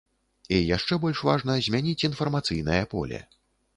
І яшчэ больш важна змяніць інфармацыйнае поле.